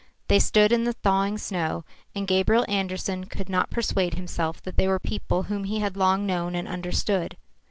They stood in the thawing snow, and Gabriel Andersen could not persuade himself that they were people whom he had long known and understood.